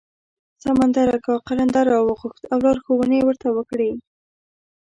سمندر اکا قلندر راوغوښت او لارښوونې یې ورته وکړې.